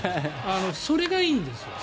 それがいいんです。